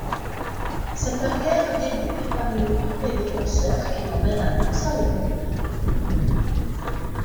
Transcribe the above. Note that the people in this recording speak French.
Sa carrière débute par une tournée de concerts qui l'emmène à Bruxelles.